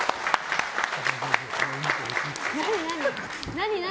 何、何？